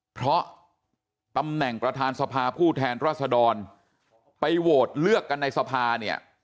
เพราะตำแหน่งประธานสภาผู้แทนรัศดรไปโหวตเลือกกันในสภาเนี่ย